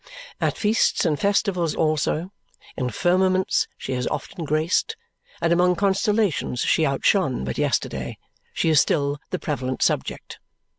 At feasts and festivals also, in firmaments she has often graced, and among constellations she outshone but yesterday, she is still the prevalent subject.